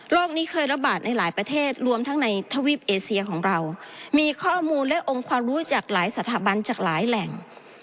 นี้เคยระบาดในหลายประเทศรวมทั้งในทวีปเอเซียของเรามีข้อมูลและองค์ความรู้จากหลายสถาบันจากหลายแหล่ง